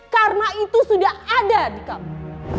karena itu sudah ada di kamu